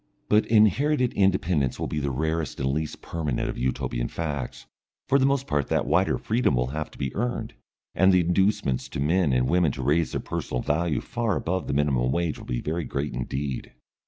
But inherited independence will be the rarest and least permanent of Utopian facts, for the most part that wider freedom will have to be earned, and the inducements to men and women to raise their personal value far above the minimum wage will be very great indeed.